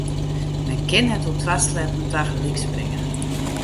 Men kin net oer twa sleatten tagelyk springe.